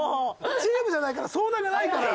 チームじゃないから相談がないから。